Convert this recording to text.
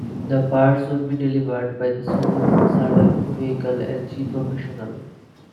The parts would be delivered by the sole surviving vehicle, a G-Professional.